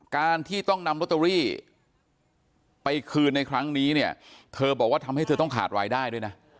การที่ต้องนำโรตเตอรี่ไปคืนในครั้งนี้เนี่ยเธอบอกว่าทำให้เธอต้องขาดรายได้ด้วยนะ